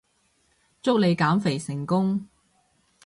祝你減肥成功